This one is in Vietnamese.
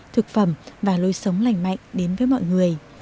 thực phẩm và lối sống lành mạnh đến với mọi người